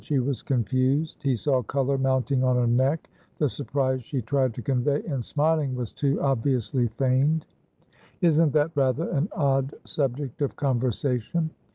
She was confused; he saw colour mounting on her neck; the surprise she tried to convey in smiling was too obviously feigned. "Isn't that rather an odd subject of conversation?"